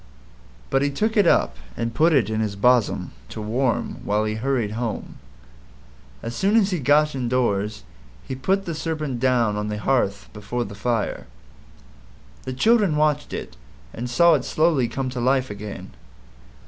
But he took it up and put it in his bosom to warm while he hurried home. As soon as he got indoors he put the Serpent down on the hearth before the fire. The children watched it and saw it slowly come to life again.